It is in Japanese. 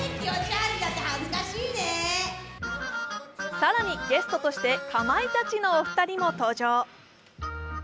更にゲストとして、かまいたちのお二人も登場。